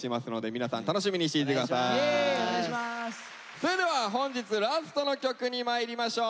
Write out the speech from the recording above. それでは本日ラストの曲にまいりましょう。